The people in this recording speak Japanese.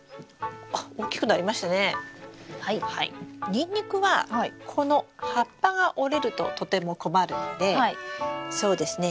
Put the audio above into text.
ニンニクはこの葉っぱが折れるととても困るのでそうですね